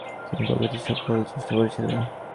তিনি প্রকৃতির সকল বলকে একীভবনের চেষ্টা করেছিলে।